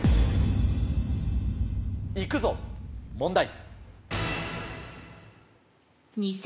行くぞ問題。